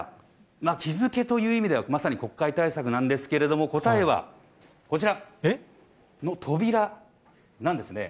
まあ、日付という意味ではまさに国会対策なんですけれども、答えはこちらの扉なんですね。